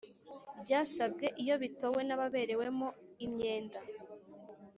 ryasabwe iyo bitowe n ababerewemo imyenda